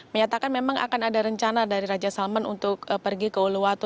menyatakan memang akan ada rencana dari raja salman untuk pergi ke uluwatu